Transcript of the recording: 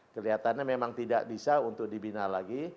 kelihatannya memang tidak bisa untuk dibina lagi